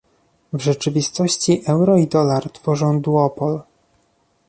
W rzeczywistości euro i dolar tworzą duopol